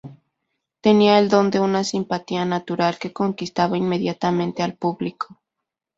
Tenía el don de una simpatía natural que conquistaba inmediatamente al público.